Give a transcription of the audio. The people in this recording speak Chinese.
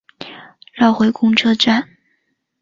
绕回公车站